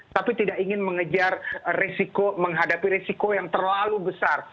tapi tidak ingin mengejar resiko menghadapi resiko yang terlalu besar